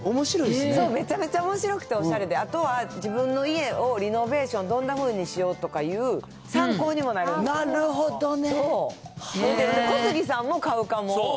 そう、めちゃめちゃおもしろくておしゃれで、あとは自分の家をリノベーションどんなふうにしようという参考になるほどね。